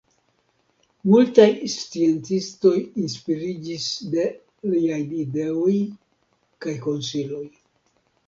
Multaj sciencistoj inspiriĝis de liaj ideoj kaj konsiloj.